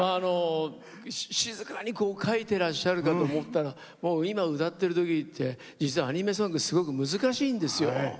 静かに描いてらっしゃるかと思ったら今、歌ってるアニメソングってすごく難しいんですよ。